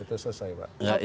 itu selesai pak